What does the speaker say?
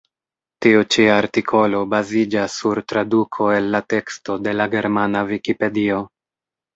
Tiu ĉi artikolo baziĝas sur traduko el la teksto de la germana vikipedio.